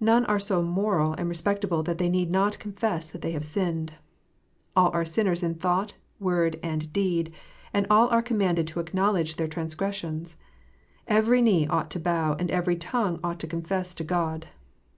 None are so moral and respectable that they need not confess that they have sinned. All are sinners in thought, word, and deed, and all are commanded to acknowledge their transgressions. Every knee ought to bow, and every tongue ought to confess to God.